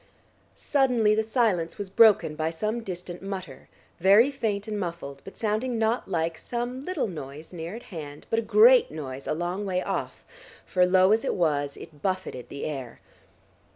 Suddenly the silence was broken by some distant mutter, very faint and muffled, but sounding not like some little noise near at hand, but a great noise a long way off, for low as it was, it buffeted the air.